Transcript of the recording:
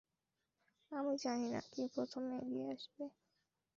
আমি জানি না, কে প্রথমে এগিয়ে আসবে।